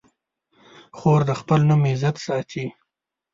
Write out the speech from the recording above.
خور د خپل نوم عزت ساتي.